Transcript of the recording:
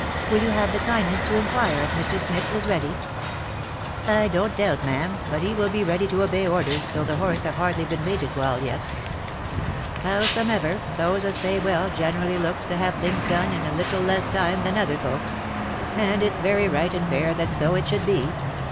Will you have the kindness to inquire if Mr. Smith is ready ?"" I don't doubt, ma'am, but he will be ready to obey orders, though the horse have hardly been baited well yet. Howsomever, those as pay well generally looks to have things done in a little less time than other folks ; and it's very right and fair that so it should be.